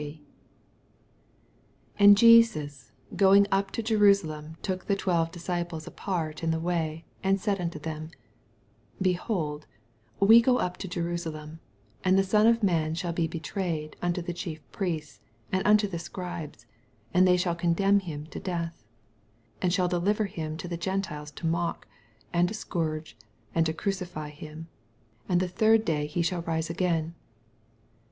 17 And JesQS goin^ up to Jernsalem took the twelve disciples apart in the way, and said unto them, 18 Behold, we go np to Jerusalem : and the Son of man shall be betrayed nnto the Chief Priests and nnto the Scribes, and they shall condemn him to death, 19 And shall deliver him to the Gentiles to mock, and to scourge, and to crucify Mm: and the third day he sh^l rise again.